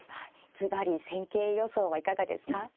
ずばり戦型予想はいかがですか。